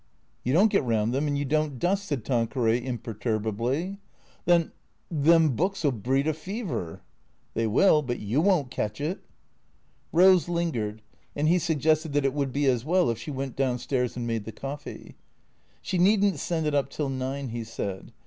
" You don't get round them, and you don't dust," said Tan queray imperturbably. " Then — them books '11 breed a fever." " They will. But you won't catch it." Eose lingered, and he suggested that it would be as well if she went down stairs and made the coffee. She need n't send it up till nine, he said.